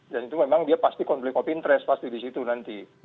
dan itu memang dia pasti konflik of interest pasti di situ nanti